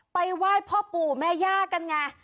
ไหว้พ่อปู่แม่ย่ากันไง